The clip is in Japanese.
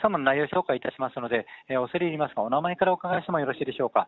照会いたしますので、恐れ入りますが、お名前からお伺いしてもよろしいでしょうか。